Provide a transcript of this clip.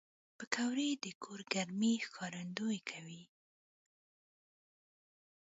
پکورې د کور ګرمۍ ښکارندويي کوي